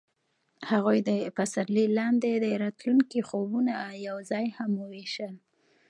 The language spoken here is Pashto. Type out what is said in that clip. هغوی د پسرلی لاندې د راتلونکي خوبونه یوځای هم وویشل.